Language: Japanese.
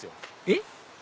えっ？